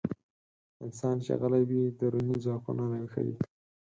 انسان چې غلی وي، دروني ځواکونه راويښوي.